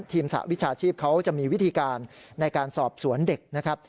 สหวิชาชีพเขาจะมีวิธีการในการสอบสวนเด็กนะครับ